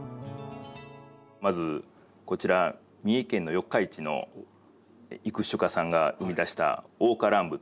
まずこちら三重県の四日市の育種家さんが生み出した「桜花乱舞」という。